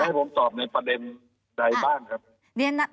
ให้ผมตอบในประเด็นใดบ้างครับ